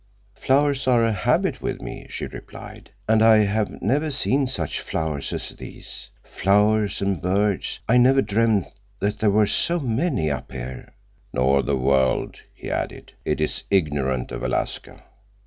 "Flowers are a habit with me," she replied, "and I have never seen such flowers as these. Flowers—and birds. I never dreamed that there were so many up here." "Nor the world," he added. "It is ignorant of Alaska."